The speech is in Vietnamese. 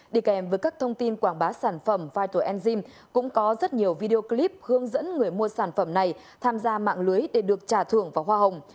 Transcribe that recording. đi kèm với các thông tin quảng bá sản phẩm vital enzyme cũng có rất nhiều video clip hướng dẫn người mua sản phẩm này tham gia mạng lưới để được trả thưởng vào hoa hồng